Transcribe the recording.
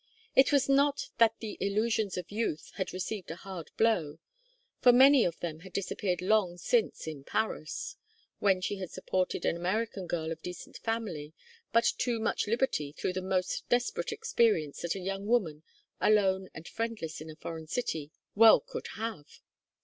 It was not that the illusions of youth had received a hard blow, for many of them had disappeared long since in Paris, when she had supported an American girl of decent family but too much liberty through the most desperate experience that a young woman, alone and friendless in a foreign city, well could have.